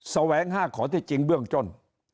แสวงห้าของที่จริงเบื้องจน